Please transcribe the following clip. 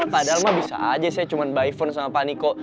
padahal mah bisa aja saya cuma by phone sama pak niko